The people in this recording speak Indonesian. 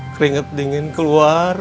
keringat dingin keluar